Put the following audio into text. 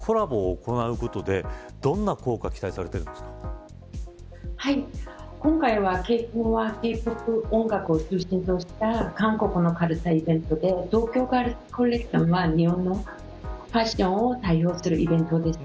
黄さん、こういった日本と韓国がコラボを行うことでどんな効果が今回はＫＣＯＮはＫ‐ＰＯＰ音楽を中心とした韓国のカルチャーイベントで東京ガールズコレクションは日本のファッションを対応するイベントです。